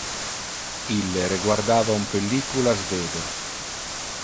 Ille reguardava un pellicula svede.